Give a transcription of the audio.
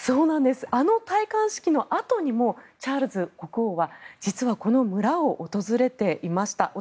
あの戴冠式のあとにもチャールズ国王は実はこの村を訪れていました。